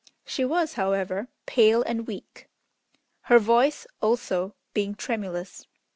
She was, however, pale and weak, her voice, also, being tremulous.